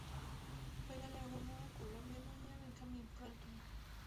Fue galardonada con la Medalla Benjamin Franklin.